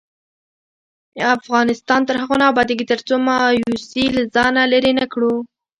افغانستان تر هغو نه ابادیږي، ترڅو مایوسي له ځانه لیرې نکړو.